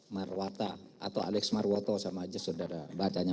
marwata atau alex marwoto sama aja saudara bacanya